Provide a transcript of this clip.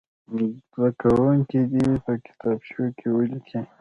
زده کوونکي دې یې په کتابچو کې ولیکي.